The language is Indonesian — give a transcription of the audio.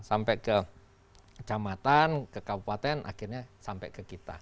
sampai ke kecamatan ke kabupaten akhirnya sampai ke kita